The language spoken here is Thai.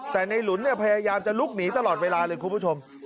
แต่ในหลุนพยายามจะลุกหนีตลอดเวลาเลยคุณผู้ชม